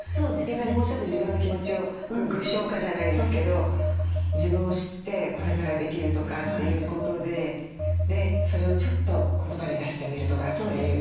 やっぱりもうちょっと自分の気持ちを具象化じゃないですけど自分を知ってこれならできるとかっていうことででそれをちょっと言葉に出してみるとかっていう。